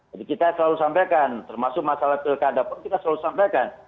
jadi kita selalu sampaikan termasuk masalah pilkada pun kita selalu sampaikan